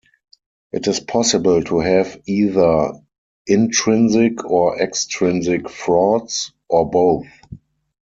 It is possible to have either intrinsic or extrinsic frauds, or both.